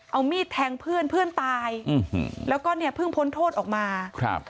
เอามีดแทงเพื่อนเพื่อนตายแล้วก็เพิ่งพ้นโทษออกมา